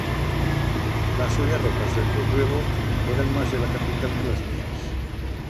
Las suyas ropas dende lluego eran mas de la capital que las mías.